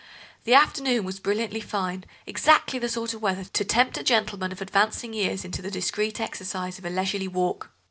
The afternoon was brilliantly fine, exactly the sort of weather to tempt a gentleman of advancing years into the discreet exercise of a leisurely walk.